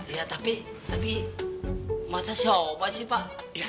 iya tapi masa somai sih pak